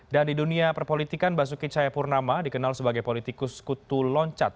dan di dunia perpolitikan basuki caya purnama dikenal sebagai politikus kutu loncat